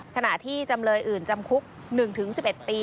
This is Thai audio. ขณะที่จำเลยอื่นจำคุก๑๑๑ปี